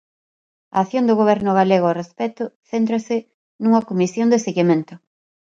A acción do Goberno galego ao respecto céntrase nunha comisión de seguimento.